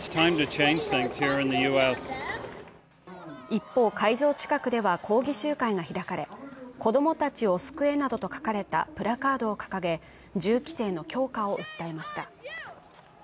一方、会場近くでは抗議集会が開かれ、子供たちを救えなどと書かれたプラカードを掲げ、銃規制の強化を訴えました。